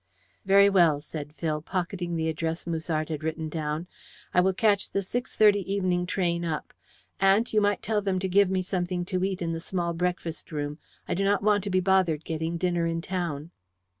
"Very well," said Phil, pocketing the address Musard had written down. "I will catch the 6.30 evening train up. Aunt, you might tell them to give me something to eat in the small breakfast room. I do not want to be bothered getting dinner in town."